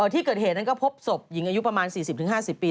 ที่เกิดเหตุนั้นก็พบศพหญิงอายุประมาณ๔๐๕๐ปี